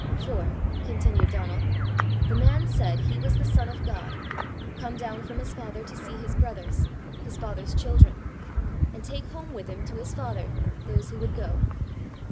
"For," continued Donal, "the man said he was the son of God, come down from his father to see his brothers, his father's children, and take home with him to his father those who would go."